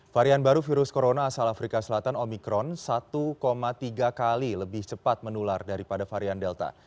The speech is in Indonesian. varian baru virus corona asal afrika selatan omikron satu tiga kali lebih cepat menular daripada varian delta